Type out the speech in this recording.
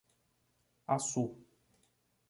Açu